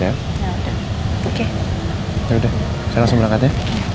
ya udah saya langsung berangkat ya